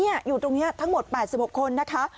อยู่ตรงนี้ทั้งหมด๘๖คนนะคะ